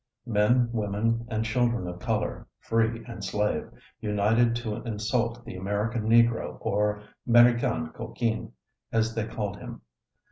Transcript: Men, women and children of color, free and slave, united to insult the American Negro or "Mericain Coquin," as they called him.